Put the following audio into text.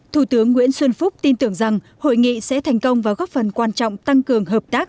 thủ tướng nguyễn xuân phúc tin tưởng rằng hội nghị sẽ thành công và góp phần quan trọng tăng cường hợp tác